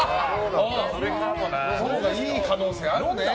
それがいい可能性あるね。